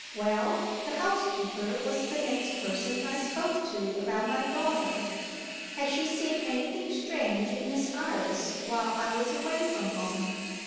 Well, the housekeeper was the next person I spoke to about my daughter. Had she seen anything strange in Miss Iris, while I was away from home?